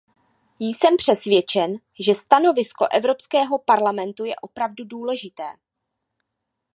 Jsem přesvědčen, že stanovisko Evropského parlamentu je opravdu důležité.